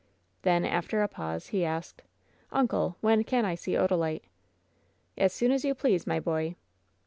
Then, after a pause, he asked: "Uncle, when can I see Odalite?" "As soon as you please, my boy!"